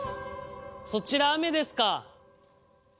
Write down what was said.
そちら雨ですか。